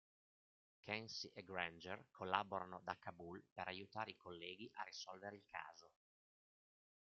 Kensi e Granger collaborano da Kabul per aiutare i colleghi a risolvere il caso.